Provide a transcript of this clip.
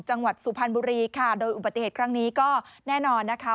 สุพรรณบุรีค่ะโดยอุบัติเหตุครั้งนี้ก็แน่นอนนะคะ